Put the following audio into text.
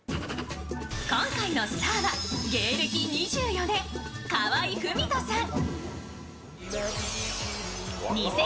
今回のスターは芸歴２４年、河合郁人さん。